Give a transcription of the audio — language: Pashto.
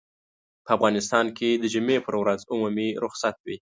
په افغانستان کې د جمعې پر ورځ عمومي رخصت وي.